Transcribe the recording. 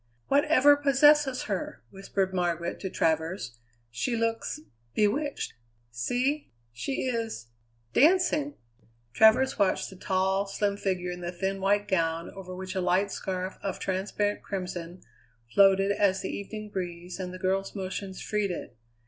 "Whatever possesses her?" whispered Margaret to Travers; "she looks bewitched. See! she is dancing!" Travers watched the tall, slim figure in the thin white gown over which a light scarf, of transparent crimson, floated as the evening breeze and the girl's motions freed it.